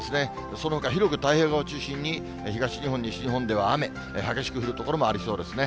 そのほか広く太平洋側を中心に、東日本、西日本では雨、激しく降る所もありそうですね。